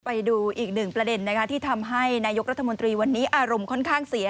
ไปดูอีกหนึ่งประเด็นที่ทำให้นายกรัฐมนตรีวันนี้อารมณ์ค่อนข้างเสีย